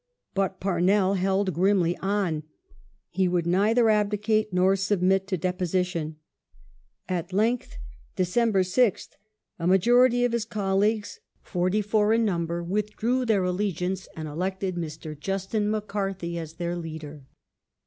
Rut Parnell held grimly on. He would neither abdicate, nor submit to deposition. At length (Dec. 6th) a majority of his colleagues, forty four in number, withdrew their allegiance and elected Mr. Justin McCarthy as their leader.